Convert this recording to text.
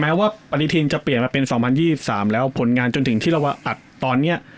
ว่าปฏิทินจะเปลี่ยนมาเป็น๒๐๒๓แล้วผลงานจนถึงที่เราอัดตอนนี้